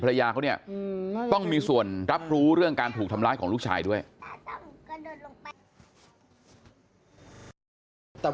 ผมไม่เชื่อว่าจะมีการทำร้ายแค่ครั้งนี้ครั้งแรกนะครับ